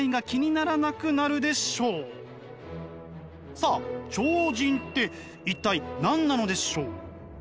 さあ超人って一体何なのでしょう？